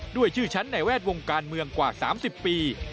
ด้วยชื่อฉันในแวดวงการเมืองกว่า๓๐ปี